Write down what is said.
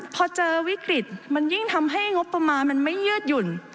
พอเจอวิกฤตมันยิ่งทำให้งบประมาณมันไม่ยืดหยุ่น